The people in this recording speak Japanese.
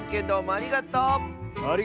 ありがとう！